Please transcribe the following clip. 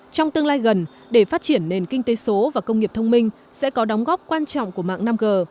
trong tương lai gần để phát triển nền kinh tế số và công nghiệp thông minh sẽ có đóng góp quan trọng của mạng năm g